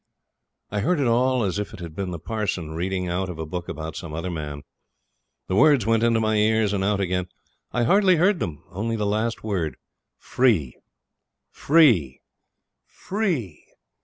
I heard it all as if it had been the parson reading out of a book about some other man. The words went into my ears and out again. I hardly heard them, only the last word, free free free!